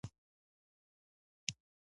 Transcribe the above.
زما معده خوږیږي